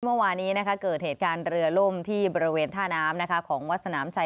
เมื่อวานี้เกิดเหตุการณ์เรือล่มที่บริเวณท่าน้ำของวัดสนามชัย